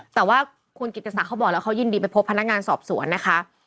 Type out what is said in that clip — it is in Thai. แต่ว่าคุณกิตศักดิ์เขาบอกแล้วเขายินดีไปพบพนักงานสอบสวนนะคะ